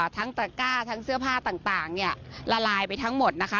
ทั้งตะกร้าทั้งเสื้อผ้าต่างละลายไปทั้งหมดนะคะ